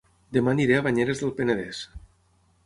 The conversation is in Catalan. Dema aniré a Banyeres del Penedès